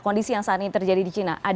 kondisi yang saat ini terjadi di cina